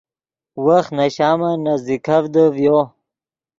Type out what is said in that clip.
وخت نے شامن نزدیکڤدے ڤیو